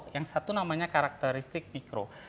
yang satu namanya karakteristik mikro